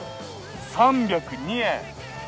３０２円！